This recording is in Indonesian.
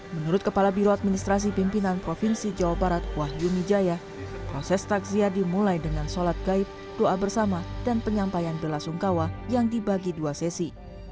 menurut kepala biro administrasi pimpinan provinsi jawa barat wahyu nijaya proses takziah dimulai dengan sholat gaib doa bersama dan penyampaian bela sungkawa yang dibagi dua sesi